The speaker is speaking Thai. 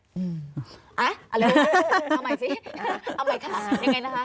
อะไรเอาใหม่สิเอาใหม่ค่ะยังไงนะคะ